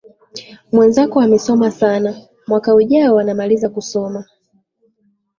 Mwenzako amesoma sana, mwaka ujao anamaliza kusoma.